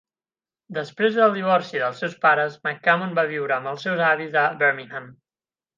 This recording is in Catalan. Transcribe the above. Després del divorci dels seus pares, McCammon va viure amb els seus avis a Birmingham.